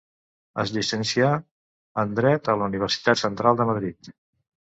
Es llicencià en dret a la Universitat Central de Madrid.